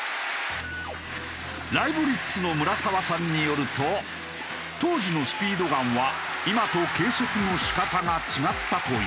ライブリッツの村澤さんによると当時のスピードガンは今と計測の仕方が違ったという。